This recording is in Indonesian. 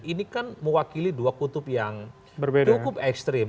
ini kan mewakili dua kutub yang cukup ekstrim